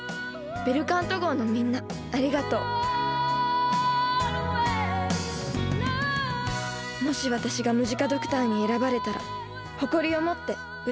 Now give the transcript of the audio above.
ベルカント号のみんなありがとうもし私がムジカドクターに選ばれたら誇りを持って歌を歌いたいと思います。